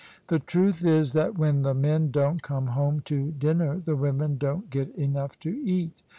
" The truth is that when the men don't come home to dinner the women don't get enough to eat.